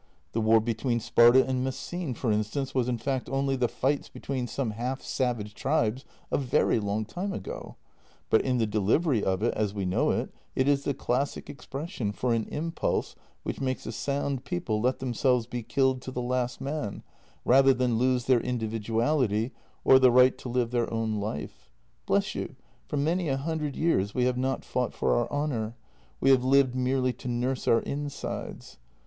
The war between Sparta and Messene, for instance, was in fact only the fights between some half savage tribes a very long time ago, but in the delivery of it, as we know it, it is the classic expression for an impulse which makes a sound people let themselves be killed to the last man rather than lose their individuality or the right to live their own life. " Bless you, for many a hundred years we have not fought for our honour; we have lived merely to nurse our insides.